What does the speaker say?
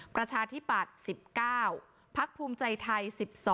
ประชาธิปัตย์๑๙พักภูมิใจไทย๑๒